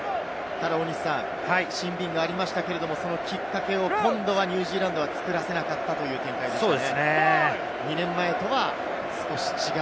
シンビンはありましたけれども、きっかけを今度はニュージーランドは作らせなかったという展開ですね。